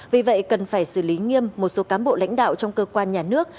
vì vậy cần phải xử lý nghiêm một số cán bộ lãnh đạo trong cơ quan nhà nước